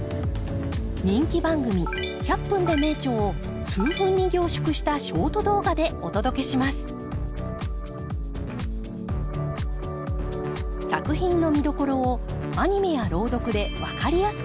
人気番組「１００分ｄｅ名著」を数分に凝縮したショート動画でお届けします作品の見どころをアニメや朗読で分かりやすくご紹介。